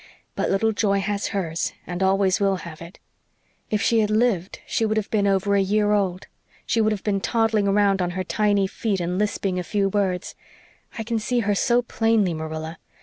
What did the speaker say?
But little Joy has hers, and always will have it. If she had lived she would have been over a year old. She would have been toddling around on her tiny feet and lisping a few words. I can see her so plainly, Marilla.